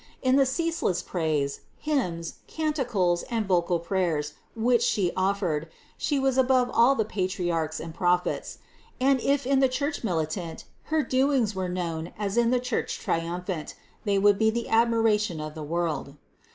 In the ceaseless praise, hymns, canticles and vocal prayers, which She offered, She was above all the Patri archs and Prophets; and if in the Church militant Her doings were known as in the Church triumphant, they would be the admiration of the world.